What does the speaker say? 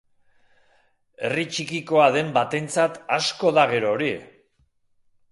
Herri txikikoa den batentzat asko da gero hori!